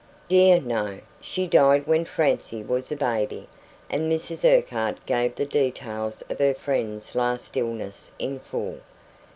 "Dear, no. She died when Francie was a baby," and Mrs Urquhart gave the details of her friend's last illness in full.